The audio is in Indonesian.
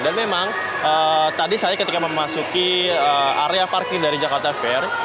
dan memang tadi saya ketika memasuki area parking dari jakarta fair